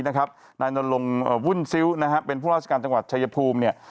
นายนอนลงวุ่นซิ้วนะครับเป็นผู้ราชการจังหวัดชายภูมิ